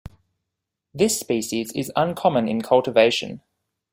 This species is uncommon in cultivation.